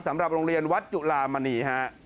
สำหรับโรงเรียนวัดจุลามณีฮะ